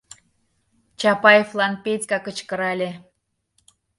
— Чапаевлан Петька кычкырале.